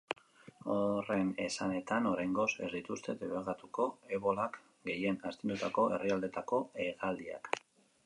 Horren esanetan, oraingoz ez dituzte debekatuko ebolak gehien astindutako herrialdeetako hegaldiak.